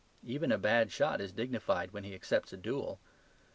Even a bad shot is dignified when he accepts a duel.